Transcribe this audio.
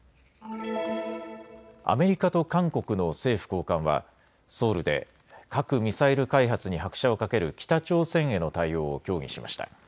アメリカと韓国の政府高官はソウルで核・ミサイル開発に拍車をかける北朝鮮への対応を協議しました。